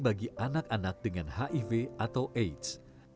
bagi anak anak dengan hiv atau aids